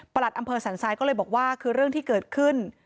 อำเภอสันทรายก็เลยบอกว่าคือเรื่องที่เกิดขึ้น